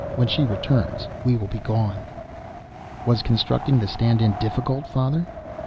When she returns we will be gone." "Was constructing the stand in difficult, father?"